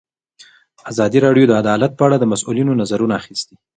ازادي راډیو د عدالت په اړه د مسؤلینو نظرونه اخیستي.